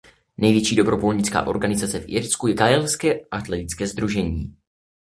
Největší dobrovolnická organizace v Irsku je Gaelské atletické sdružení.